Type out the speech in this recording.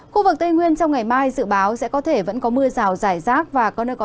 khu vực tây nguyên trong ngày mai dự báo sẽ có thể vẫn có mưa rào rải rác